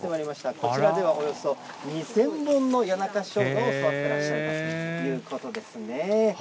こちらでは、およそ２０００本の谷中ショウガを育てていらっしゃるということですね。